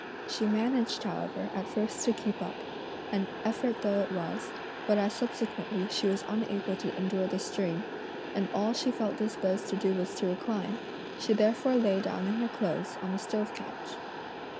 She managed however at first to keep up, an effort though it was, but as subsequently she was unable to endure the strain, and all she felt disposed to do was to recline, she therefore lay down in her clothes on the stove couch.